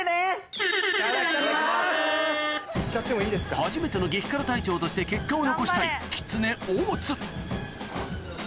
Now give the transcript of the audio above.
初めての激辛隊長として結果を残したいきつね・大津